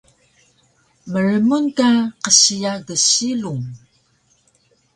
Mrmun ka qsiya gsilung